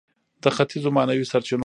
د ختیځو معنوي سرچینو اغیز په کتاب کې شته.